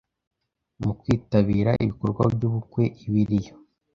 mu kwitabira ibikorwa nk’ubukwe, ibiriyo,